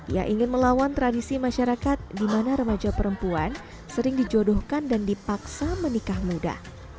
ia ingin melawan tradisi masyarakat di mana remaja perempuan sering dijodohkan dan dipaksa menikah muda